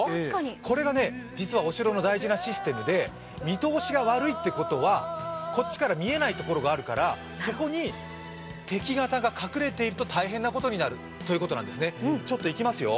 これがお城の大事なシステムで、見通しが悪いってことはこっちから見えない所があるからそこに敵方が隠れていると大変なことになるということなんですね。